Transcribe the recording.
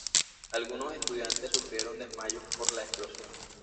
Algunos estudiantes sufrieron desmayos por la explosión.